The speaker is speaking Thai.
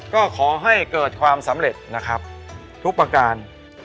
ก็ขอให้เกิดความสำเร็จนะครับทุกประการ